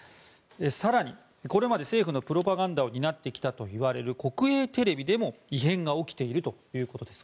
更に、これまで政府のプロパガンダを担ってきたといわれる国営テレビでも異変が起きているということです。